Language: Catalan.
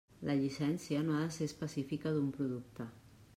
La llicència no ha de ser específica d'un producte.